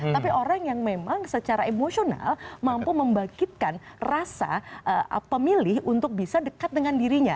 tapi orang yang memang secara emosional mampu membangkitkan rasa pemilih untuk bisa dekat dengan dirinya